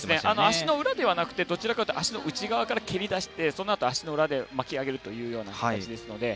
足の裏ではなくてどちらかというと足の内側から蹴り出して、そのあと足の裏で巻き上がるという感じですので。